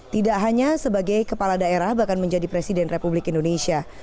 tidak hanya sebagai kepala daerah bahkan menjadi presiden republik indonesia